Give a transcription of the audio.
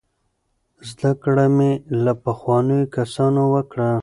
زده کړه مې له پخوانیو کسانو وکړه.